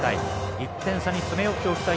１点差に詰め寄っておきたい